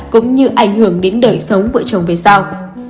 cũng như ảnh hưởng đến đời sống vợ chồng về sau